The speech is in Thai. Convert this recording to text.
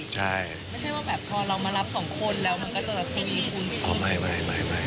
ใช่ไม่ใช่ว่าแบบพอเรามารับสองคนแล้วมันก็จะแบบ